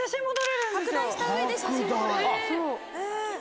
拡大した上で写真も撮れる。